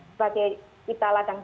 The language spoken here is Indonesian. sebagai ithala dan hal